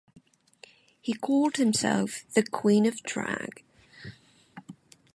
He called himself the "queen of drag".